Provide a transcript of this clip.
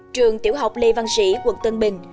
trường tiểu học lê văn sĩ quận tân bình